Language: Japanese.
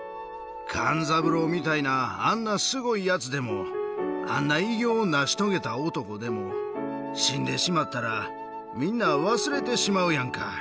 勘三郎みたいなあんなすごいやつでも、あんな偉業を成し遂げた男でも、死んでしまったら、みんな忘れてしまうやんか。